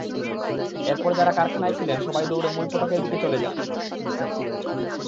এরপর যাঁরা কারখানায় ছিলেন, সবাই দৌড়ে মূল ফটকের দিকে চলে যান।